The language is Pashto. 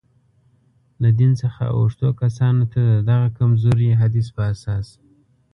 له دین څخه اوښتو کسانو ته، د دغه کمزوري حدیث په اساس.